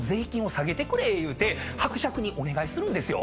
言うて伯爵にお願いするんですよ。